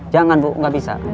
jangan bu ga bisa